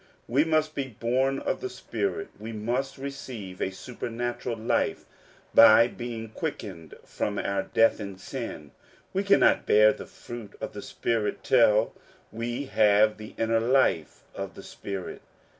We must be born of the Spirit ; we must receive a supernatural life by being quickened from our death in sin. We cannot bear the fruit of the Spirit till we have the inner life of the Spirit.